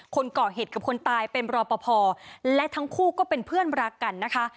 คนก่อเหตุกับคนตายเป็นรอปภและทั้งคู่ก็เป็นเพื่อนรักกันนะคะ